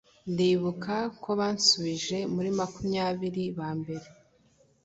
ndibuka ko bansubije muri makumyabiri ba mbere